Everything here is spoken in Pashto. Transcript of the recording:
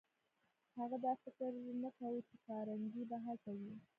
هغه دا فکر هم نه کاوه چې کارنګي به هلته وي.